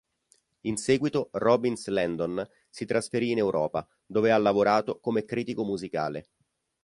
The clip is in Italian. In seguito Robbins Landon si trasferì in Europa dove ha lavorato come critico musicale.